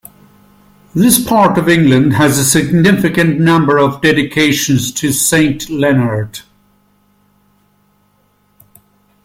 This part of England has a significant number of dedications to Saint Leonard.